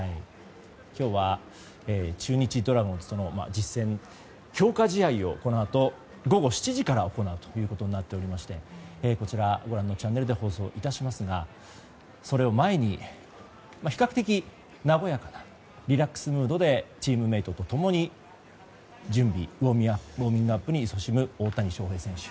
今日は中日ドラゴンズとの強化試合を、このあと午後７時から行うということになっておりましてご覧のチャンネルで放送いたしますがそれを前に、比較的和やかなリラックスムードでチームメートと共にウォーミングアップにいそしむ大谷選手。